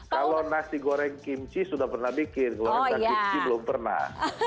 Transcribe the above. kalau nasi goreng kimchi sudah pernah bikin keluar nasi belum pernah